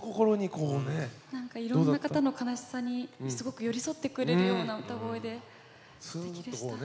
何かいろんな方の悲しさにすごく寄り添ってくれるような歌声ですてきでした。